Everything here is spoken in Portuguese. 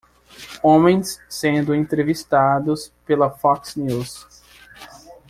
Homens sendo entrevistados pela Fox News